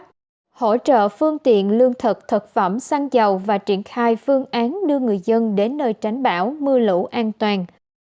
thứ ba hỗ trợ phương tiện lương thực thực phẩm săn dầu và triển khai phương án đưa người dân đến nơi tránh bão mưa lũ an toàn